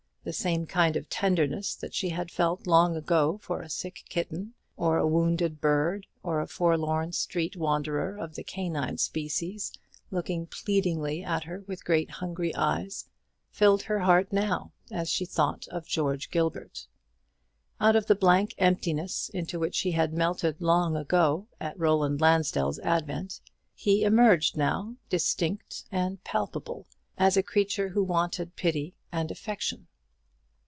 The same kind of tenderness that she had felt long ago for a sick kitten, or a wounded bird, or a forlorn street wanderer of the canine species looking pleadingly at her with great hungry eyes, filled her heart now, as she thought of George Gilbert. Out of the blank emptiness into which he had melted long ago at Roland Lansdell's advent, he emerged now, distinct and palpable, as a creature who wanted pity and affection.